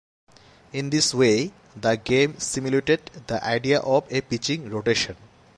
In this way, the game simulated the idea of a pitching rotation.